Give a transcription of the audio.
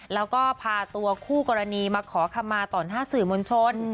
แล้วก็พาตัวคู่กรณีมาขอคำมาต่อหน้าสื่อมวลชน